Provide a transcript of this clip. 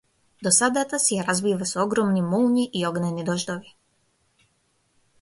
Досадата си ја разбива со огромни молњи и огнени дождови.